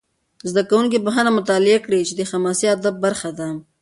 زده کوونکي بخښنه مطالعه کړي، چې د حماسي ادب برخه ده.